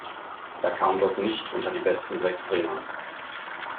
Er kam dort nicht unter die besten sechs Ringer.